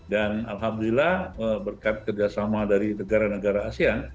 dan alhamdulillah berkat kerjasama dari negara negara asean